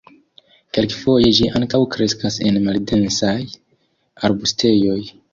Kelkfoje ĝi ankaŭ kreskas en maldensaj arbustejoj.